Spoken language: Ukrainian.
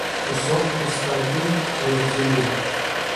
Кусок остатній розділю.